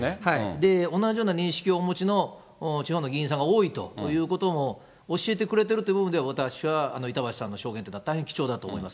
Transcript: で、同じような認識をお持ちの地方の議員さんが多いということも教えてくれてるという部分では私は板橋さんの証言というのは、大変貴重だと思います。